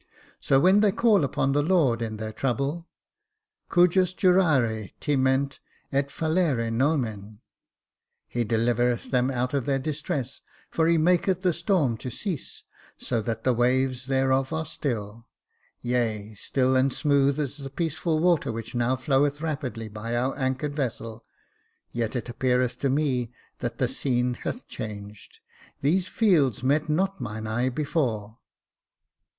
"' So when they call upon the Lord in their trouble' —* Cujus jurare timent et fall ere nomen'' —' He delivereth them out of their distress, for he maketh the storm to cease, so that the waves thereof are still j ' yea, still and smooth as the peaceful water which now floweth rapidly by our Jacob Faithful loi anchored vessel — yet it appeareth to me that the scene hath changed. These fields met not mine eye before.